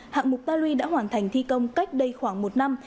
hạng mục ta lui đã hoàn thành thi công cách đây khoảng một năm